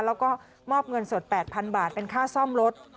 แล้วก็มอบเงินสด๘๐๐๐บาทเป็นค่าซ่อมรถ